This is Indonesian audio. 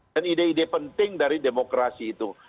dan ide ide penting dari demokrasi itu